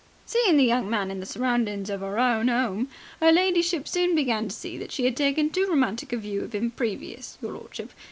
"Seein' the young man in the surroundings of 'er own 'ome, 'er ladyship soon began to see that she had taken too romantic a view of 'im previous, your lordship.